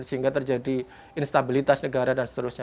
sehingga terjadi instabilitas negara dan seterusnya